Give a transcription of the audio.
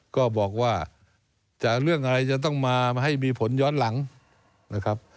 ก็บอกว่าเรื่องอะไรจะต้องมาให้มีผลย้อนหลังนะครับ